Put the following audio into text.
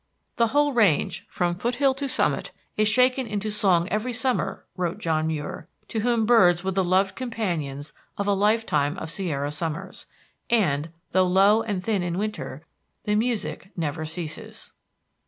"The whole range, from foothill to summit, is shaken into song every summer," wrote John Muir, to whom birds were the loved companions of a lifetime of Sierra summers, "and, though low and thin in winter, the music never ceases."